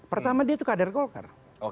pertama dia itu kader golkar